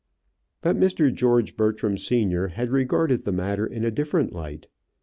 But Mr. George Bertram senior had regarded the matter in a different light.